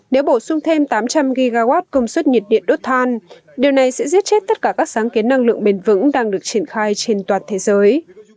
nếu bổ sung thêm tám trăm linh gigawatt công suất nhiệt điện đốt than điều này sẽ giết chết tất cả các sáng kiến năng lượng bền vững đang được triển khai trên toàn thế giới